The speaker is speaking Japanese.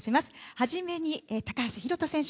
はじめに高橋宏斗選手